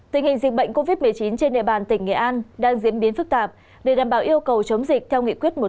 tình hình dịch bệnh covid một mươi chín trên địa bàn tỉnh nghệ an đang diễn biến phức tạp để đảm bảo yêu cầu chống dịch theo nghị quyết một trăm linh